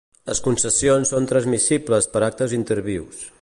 Les concessions són transmissibles per actes intervius.